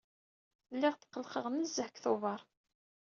Lliɣ tqelqeq nezzeh deg Tubeṛ.